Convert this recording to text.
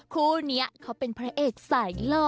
คู่นี้เขาเป็นพระเอกสายหล่อ